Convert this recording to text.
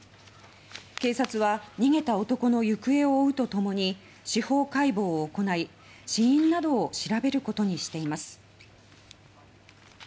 警察は逃げた男の行方を追うとともに司法解剖を行い死因などを調べることにしています。